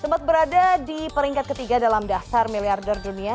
sempat berada di peringkat ketiga dalam dasar miliarder dunia